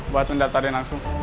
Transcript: buat mendatari langsung